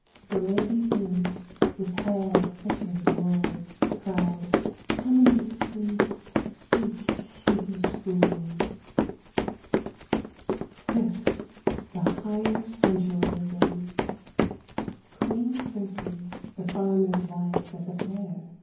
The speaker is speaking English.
The lady Venus, with hair thick as wool. Cried, "Come and be fleeced,— each sheepish fool!" f 1 06 EDITH SI 1 WELL VI THE HIGHER SENSUALISM. QIIEEN CIRCE, the farmer's wife at the Fair.